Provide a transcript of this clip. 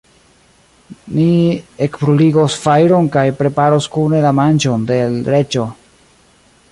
Ni ekbruligos fajron kaj preparos kune la manĝon de l' Reĝo.